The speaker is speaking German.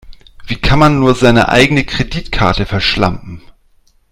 Wie kann man nur seine eigene Kreditkarte verschlampen?